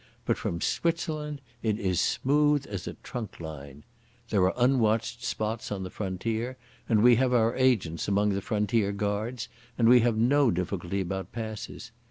But from Switzerland it is smooth as a trunk line. There are unwatched spots on the frontier, and we have our agents among the frontier guards, and we have no difficulty about passes.